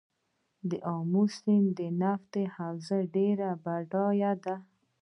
د امو سیند نفتي حوزه ډیره بډایه ده